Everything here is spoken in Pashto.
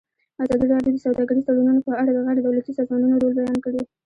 ازادي راډیو د سوداګریز تړونونه په اړه د غیر دولتي سازمانونو رول بیان کړی.